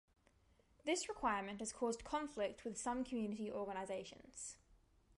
This requirement has caused conflict with some community organisations.